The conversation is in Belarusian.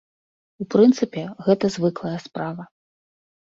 У прынцыпе, гэта звыклая справа.